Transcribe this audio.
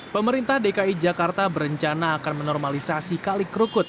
pemerintah dki jakarta berencana akan menormalisasi kalik krukut